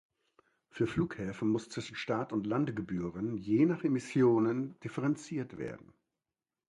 Für Flughäfen muss zwischen Start- und Landegebühren je nach Emissionen differenziert werden.